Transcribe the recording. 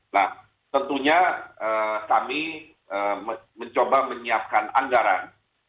nah tentunya kami mencoba menyiapkan anggaran